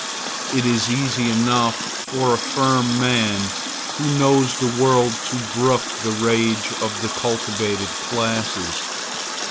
It is easy enough for a firm man who knows the world to brook the rage of the cultivated classes.